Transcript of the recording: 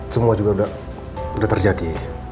semua juga udah terjadi